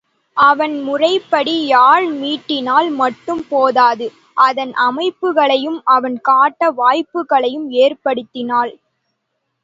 அவன் முறைப்படி யாழ் மீட்டினால் மட்டும் போதாது அதன் அமைப்புகளையும் அவன் காட்ட வாய்ப்புகளை ஏற்படுத்தினாள்.